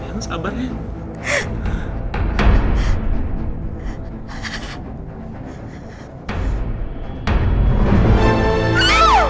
semangat dalam wing biragel